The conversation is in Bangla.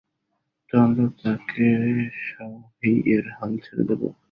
তো আমরা তাকে শাওহেইয়ের হাল ছেড়ে দেব?